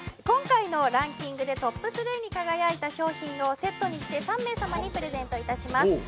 今回のランキングでトップ３に輝いた商品をセットにして３名様にプレゼントします。